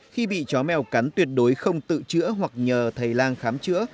khi bị chó mèo cắn tuyệt đối không tự chữa hoặc nhờ thầy lang khám chữa